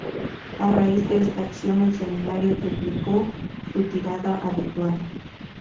A raíz de esta acción, el semanario triplicó su tirada habitual.